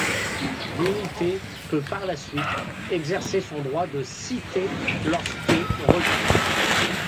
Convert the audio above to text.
L'unité peut par la suite exercer son droit de cité lorsque requis.